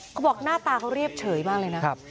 เขาบอกหน้าตาเขาเรียบเฉยมากเลยนะ